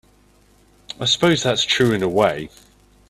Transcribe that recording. I suppose that's true in a way.